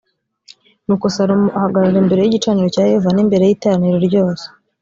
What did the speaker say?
nuko salomo ahagarara imbere y igicaniro cya yehova n imbere y iteraniro ryose